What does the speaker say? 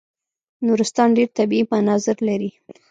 نورستان ډېر طبیعي مناظر لري.